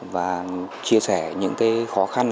và chia sẻ những cái khó khăn